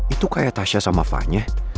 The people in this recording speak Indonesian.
itu kayak tasya sama fanya